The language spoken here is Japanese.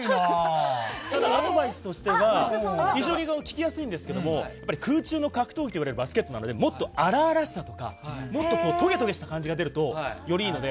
アドバイスとしては非常に聞き取りやすいんですが空中の格闘技といわれるバスケットなのでもっと荒々しさとかもっととげとげした感じが出るとよりいいので。